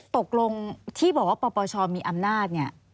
ตกลงที่บอกว่าปปชมีอำนาจเนี่ย